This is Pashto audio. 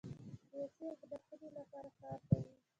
سیاسي اهدافو لپاره کار کوي.